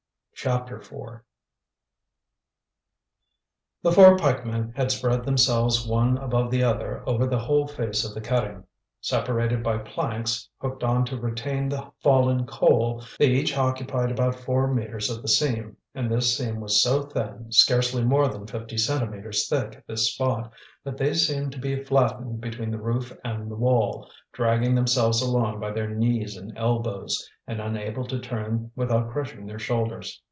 CHAPTER IV The four pikemen had spread themselves one above the other over the whole face of the cutting. Separated by planks, hooked on to retain the fallen coal, they each occupied about four metres of the seam, and this seam was so thin, scarcely more than fifty centimetres thick at this spot, that they seemed to be flattened between the roof and the wall, dragging themselves along by their knees and elbows, and unable to turn without crushing their shoulders.